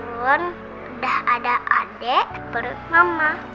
walaupun udah ada adek baru mama